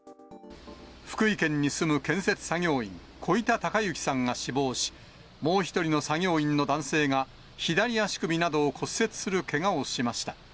福井県に住む建設作業員、小板孝幸さんが死亡し、もう一人の作業員の男性が左足首などを骨折するけがをしました。